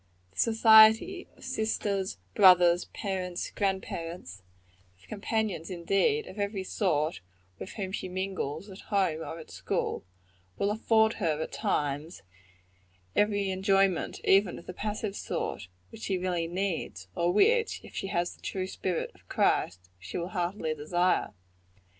The society, of sisters, brothers, parents, grand parents of companions, indeed, of every sort with whom she mingles, at home or at school will afford her, at times, every enjoyment, even of the passive sort, which she really needs; or which, if she has the true spirit of Christ, she will heartily desire.